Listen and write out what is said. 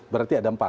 berarti ada empat